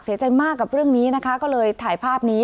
เสียใจมากกับเรื่องนี้นะคะก็เลยถ่ายภาพนี้